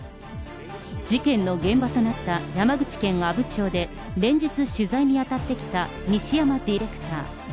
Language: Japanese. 事件の現場となった山口県阿武町で、連日取材に当たってきた西山ディレクター。